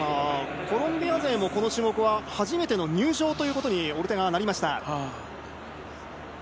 コロンビア勢もこの種目は初めての入賞ということにオルテガがなりました。